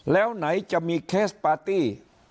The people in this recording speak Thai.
แล้วไหนจะมีเคสปาร์ตี้